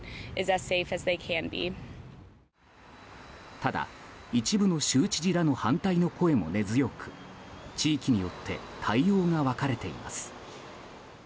ただ、一部の州知事らの反対の声も根強く地域によって対応が分かれています。